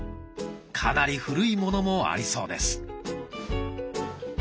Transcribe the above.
かなり古いものもありそうです。